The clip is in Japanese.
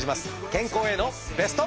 健康へのベスト。